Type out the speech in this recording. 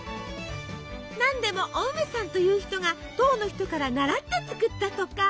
何でもお梅さんという人が唐の人から習って作ったとか。